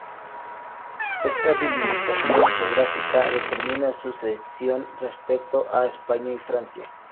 Esta delimitación geográfica determina su secesión respecto a España y Francia.